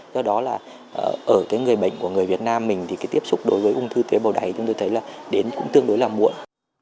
do đó là ở cái người bệnh của người việt nam mình thì cái tiếp xúc đối với ung thư tế bào đáy chúng tôi thấy là đến cũng tương đối là muộn